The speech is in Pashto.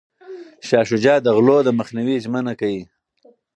شاه شجاع د غلو د مخنیوي ژمنه کوي.